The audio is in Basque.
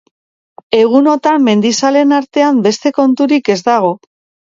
Egunotan mendizaleen artean beste konturik ez dago.